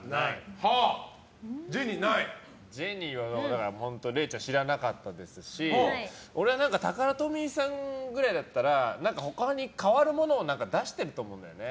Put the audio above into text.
ジェニーはれいちゃん知らなかったですし俺は、タカラトミーさんぐらいだったら他に代わるものを出してると思うんだよね。